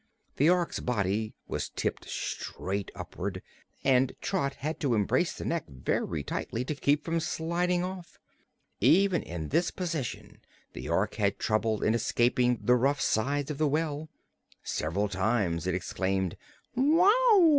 The Ork's body was tipped straight upward, and Trot had to embrace the neck very tightly to keep from sliding off. Even in this position the Ork had trouble in escaping the rough sides of the well. Several times it exclaimed "Wow!"